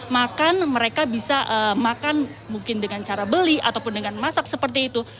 makan mereka bisa makan mungkin dengan cara beli ataupun dengan masak seperti itu